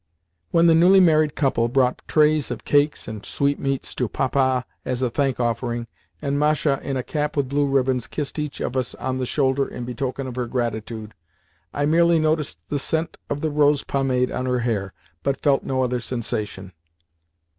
When the newly married couple brought trays of cakes and sweetmeats to Papa as a thank offering, and Masha, in a cap with blue ribbons, kissed each of us on the shoulder in token of her gratitude, I merely noticed the scent of the rose pomade on her hair, but felt no other sensation.